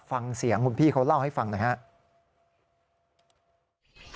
ฟังเสียงคุณพี่เขาเล่าให้ฟังหน่อยครับ